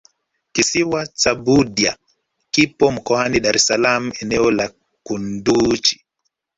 kisiwa cha budya kipo mkoani dar es salaam eneo la kunduchi